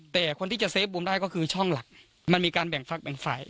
แต่คนที่จะเฟฟบุมได้ก็คือช่องหลักมันมีการแบ่งฟักแบ่งฝ่าย